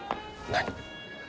何？